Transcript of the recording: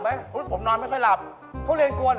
ผมก็มีทุเรียนกวน